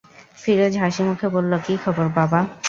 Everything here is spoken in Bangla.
ফিরোজ হাসিমুখে বলল, কি খবর বাবা?